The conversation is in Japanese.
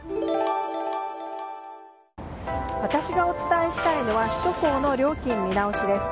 私がお伝えしたいのは首都高の料金見直しです。